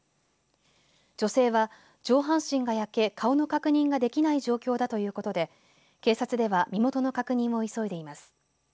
女性は上半身が焼け顔の確認ができない状況だということで警察では身元の確認を急いでいます。